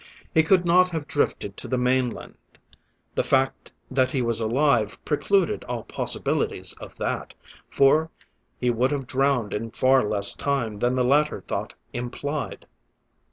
He could not have drifted to the mainland; the fact that he was alive precluded all possibilities of that, for he would have drowned in far less time than the latter thought implied.